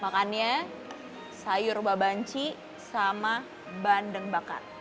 makannya sayur babanci sama bandeng bakar